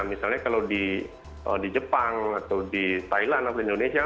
misalnya kalau di jepang atau di thailand atau di indonesia